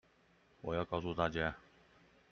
我要告訴大家